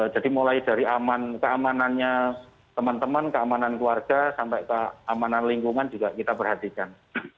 jadi mulai dari keamanannya teman teman keamanan keluarga sampai keamanan lingkungan juga kita perhatikan